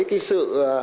với cái sự